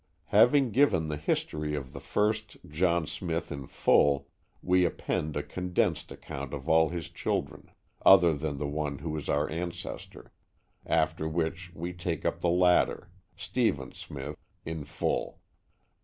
Having given the history of the first John Smith in full, we append a condensed account of all his children, other than the one who is our ancestor, after which we take up the latter, Stephen Smith, in full.